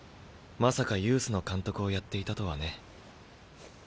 まさかユースの監督をやっていたとはね。